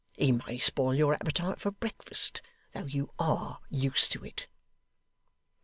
He may spoil your appetite for breakfast, though you ARE used to it.